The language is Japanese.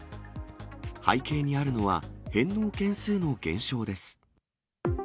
背景にあるのは、返納件数の減少です。